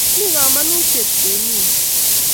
Mi kamanutiet kemi yu